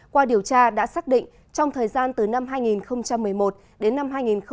qua điều tra đã xác định trong thời gian từ năm hai nghìn một mươi một đến năm hai nghìn một mươi bảy